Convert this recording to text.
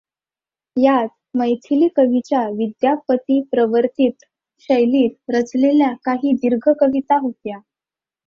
यात मैथिली कवीच्या विद्यापतीप्रवर्तित शैलीत रचलेल्या काही दीर्घ कविता होत्या.